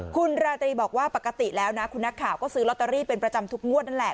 คุณราตรีบอกว่าปกติแล้วนะคุณนักข่าวก็ซื้อลอตเตอรี่เป็นประจำทุกงวดนั่นแหละ